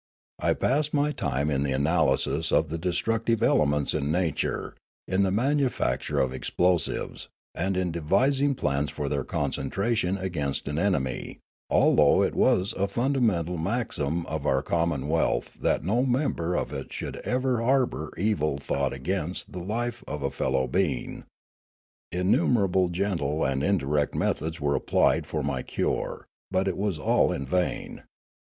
I passed my time in the analysis of the destructive elements in nature, in the manufac ture of explosives, and in devising plans for their concentration against an enemy, although it was a fundamental maxim of our commonwealth that no mem ber of it should ever harbour evil thought against the life of a fellow being. Innumerable gentle and indirect methods were applied for my cure; but it was all in vain.